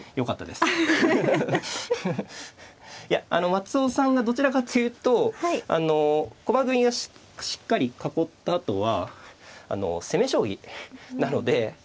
いやあの松尾さんがどちらかというと駒組みをしっかり囲ったあとは攻め将棋なので。